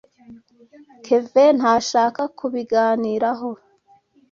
Kevin ntashaka kubiganiraho.